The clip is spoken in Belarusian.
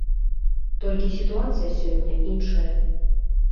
Толькі сітуацыя сёння іншая.